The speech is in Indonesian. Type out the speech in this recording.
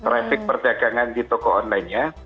rating perdagangan di toko online